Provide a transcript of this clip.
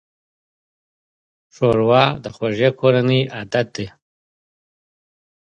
ښوروا د خوږې کورنۍ عادت ده.